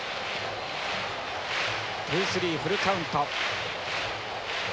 ツースリーフルカウント。